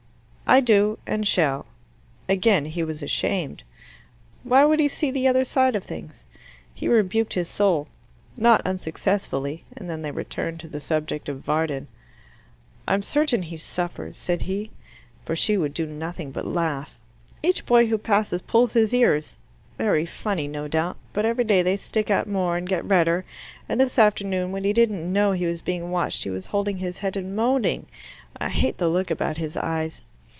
"I do, and shall." Again he was ashamed. Why would he see the other side of things? He rebuked his soul, not unsuccessfully, and then they returned to the subject of Varden. "I'm certain he suffers," said he, for she would do nothing but laugh. "Each boy who passes pulls his ears very funny, no doubt; but every day they stick out more and get redder, and this afternoon, when he didn't know he was being watched, he was holding his head and moaning. I hate the look about his eyes."